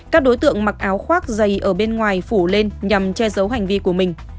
các đối tượng mặc áo khoác dày ở bên ngoài phủ lên nhằm che giấu hành vi của mình